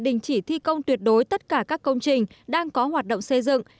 đình chỉ thi công tuyệt đối tất cả các công trình đang có hoạt động xây dựng